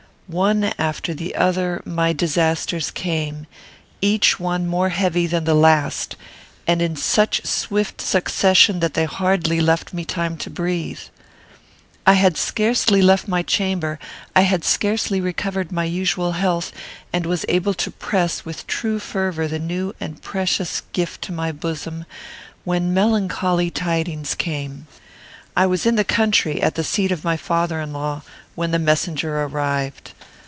One after the other my disasters came, each one more heavy than the last, and in such swift succession that they hardly left me time to breathe. "I had scarcely left my chamber, I had scarcely recovered my usual health, and was able to press with true fervour the new and precious gift to my bosom, when melancholy tidings came. I was in the country, at the seat of my father in law, when the messenger arrived.